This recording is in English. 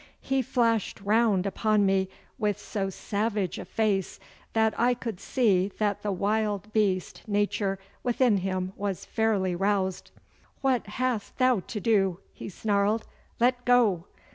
He flashed round upon me with so savage a face that I could see that the wild beast nature within him was fairly roused. 'What hast thou to do?' he snarled. 'Let go!